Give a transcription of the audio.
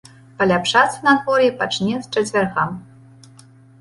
Паляпшацца надвор'е пачне з чацвярга.